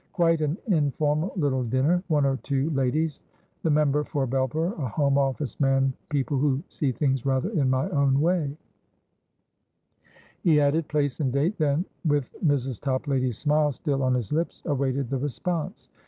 Quite an informal little dinner; one or two ladiesthe Member for Belpera Home Office man people who see things rather in my own way" He added place and date; then, with Mrs. Toplady's smile still on his lips, awaited the response.